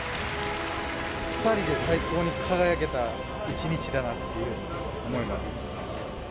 ２人で最高に輝けた一日だなって思います。